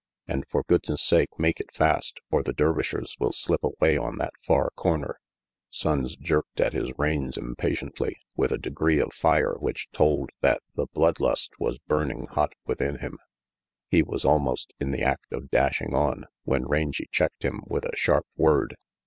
And for goodness' sake make it fast, or the Dervishers will slip away on that far corner." Sonnes jerked at his reins impatiently, with a degree of fire which told that the blood lust was burning hot within him. He was almost in the act of dashing on when Rangy checked him with a sharp word.